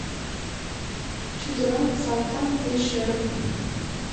Чудылан Салтан пеш ӧрын